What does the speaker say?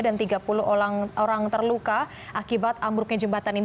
dan tiga puluh orang terluka akibat ambruknya jembatan ini